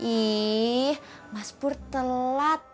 ih mas pur telat